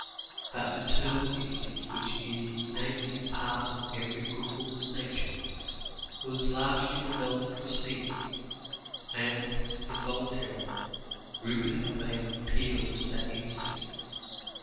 That maternal instinct which is innately part of every good woman's nature, was largely developed in Christina, and, involuntarily, Rupert had made an appeal to that instinct.